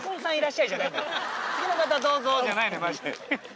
「次の方どうぞ」じゃないのマジで。